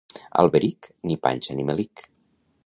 Alberic, ni panxa ni melic.